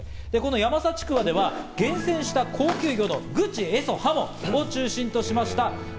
ヤマサちくわでは厳選した高級魚のグチ、エソ、ハモを中心としました